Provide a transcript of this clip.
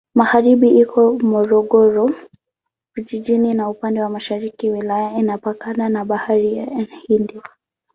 Magharibi iko Morogoro Vijijini na upande wa mashariki wilaya inapakana na Bahari ya Hindi.